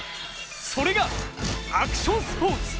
それが、アクションスポーツ。